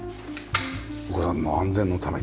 お子さんの安全のために。